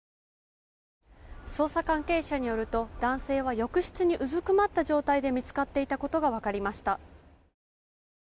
捜査関係者によると男性は浴室にうずくまった状態で見つかっていたことが分かりました。